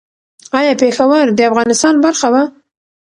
ایا پېښور د افغانستان برخه وه؟